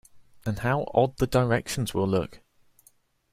And how odd the directions will look!